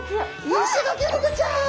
イシガキフグちゃん！